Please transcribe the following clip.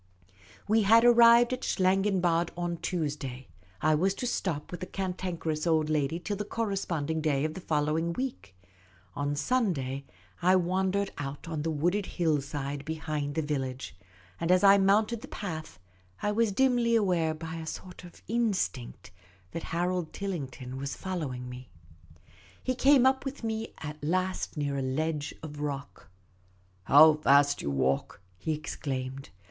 We had arrived at Schlangenbad on Tuesday. I was to stop with the Cantankerous Old Lady till the corresponding day of the following week. On the Sunday, I wandered out on the wooded hillside behind the village ; and as I mounted the path I was dimly aware by a sort of instinct that Harold Tillington was following me. 50 Miss Cayley's Adventures He came up with me at last near a ledge of rock. " How fast you walk !" he exclaimed.